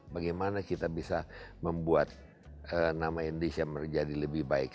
bagaimana kita bisa membuat nama indonesia menjadi lebih baik